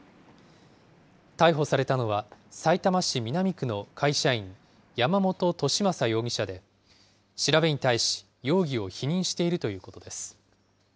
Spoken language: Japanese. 逮捕されたのは、さいたま市南区の会社員、山本寿正容疑者で、調べに対し容疑を否認しているということです。